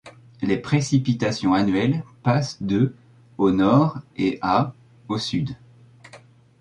Les précipitations annuelles passent de au nord à au sud.